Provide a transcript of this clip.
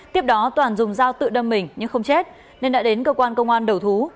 tiếp đó toàn dùng dao tự đâm mình nhưng không chết nên đã đến cơ quan công an đầu thú